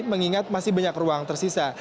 mengingat masih banyak ruang tersisa